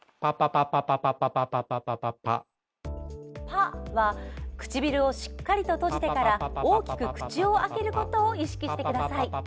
「パ」は唇をしっかりと閉じてから大きく口を開けることを意識してください。